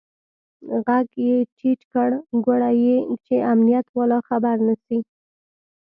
ږغ يې ټيټ کړ ګوره چې امنيت والا خبر نسي.